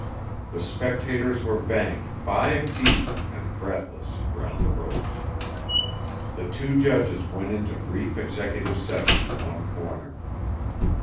The spectators were banked, five deep and breathless, round the ropes. The two judges went into brief executive session in one corner.